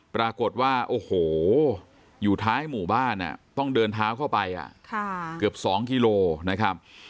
ปรากฏว่าโอ้โหอยู่ท้ายหมู่บ้านต้องเดินเท้าเข้าไปเกือบ๒กิโลนะครับ